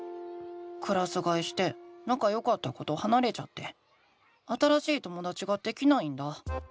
クラスがえしてなかよかった子とはなれちゃって新しいともだちができないんだ。